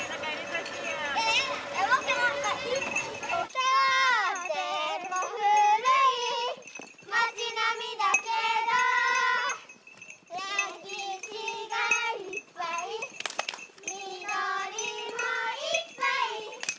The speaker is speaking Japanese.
「とっても古い町並みだけど」「歴史がいっぱい」「緑もいっぱい」